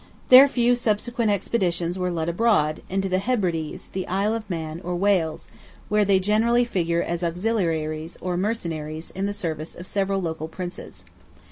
Their few subsequent expeditions were led abroad, into the Hebrides, the Isle of Man, or Wales, where they generally figure as auxiliaries or mercenaries in the service of local Princes.